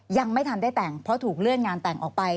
ยังไม่ทันได้แต่งเพราะถูกเลื่อนงานแต่งออกไป